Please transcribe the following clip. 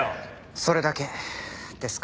それだけですか？